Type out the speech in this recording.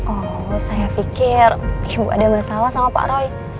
oh terus saya pikir ibu ada masalah sama pak roy